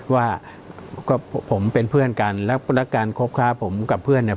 ว่าก็ผมเป็นเพื่อนกันแล้วแล้วการคบค้าผมกับเพื่อนเนี่ย